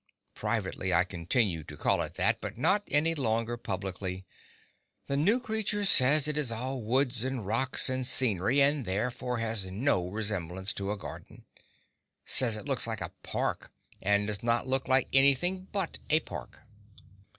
Privately, I continue to call it that, but not any longer publicly. The new creature says it is all woods and rocks and scenery, and therefore has no resemblance to a garden. Says it looks like a park, and does not look like anything but a park.